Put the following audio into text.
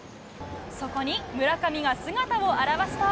そこに村上が姿を現すと。